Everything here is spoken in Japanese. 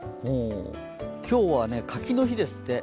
今日は柿の日ですって。